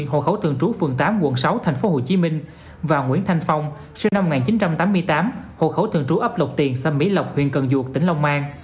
hồ khấu tường trú phường tám quận sáu tp hcm